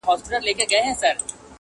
او حقيقت پټيږي-